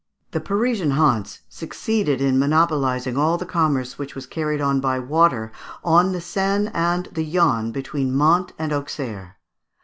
The Parisian Hanse succeeded in monopolising all the commerce which was carried on by water on the Seine and the Yonne between Mantes and Auxerre.